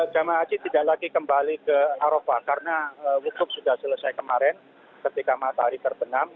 jemaah haji tidak lagi kembali ke arofah karena wukuf sudah selesai kemarin ketika matahari terbenam